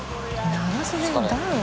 長袖にダウンを。